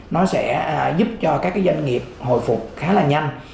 nó sẽ giúp cho các doanh nghiệp hồi phục khá là nhanh